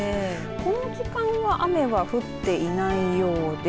この時間は雨は降っていないようです。